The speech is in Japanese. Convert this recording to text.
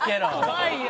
怖いよ。